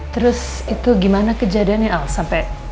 terus itu gimana kejadiannya al sampai